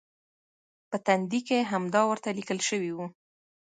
په تندي کې همدا ورته لیکل شوي و.